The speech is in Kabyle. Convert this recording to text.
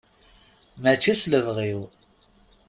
Mačči s lebɣi-iw.